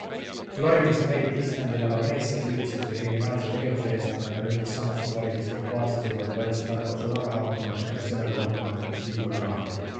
Floridas Merritt Islandil elav mees sai süüdistuse kriminaalse tegevuse eest, kuna ta ründas samas osariigis Cocoas asuvat Wells Fargo sularahaautomaati pärast seda, kui automaat andis liiga palju raha.